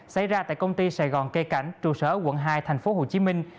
xảy ra tại công ty sài gòn cây cảnh trụ sở quận hai thành phố hồ chí minh